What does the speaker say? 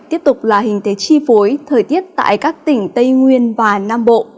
tiếp tục là hình thế chi phối thời tiết tại các tỉnh tây nguyên và nam bộ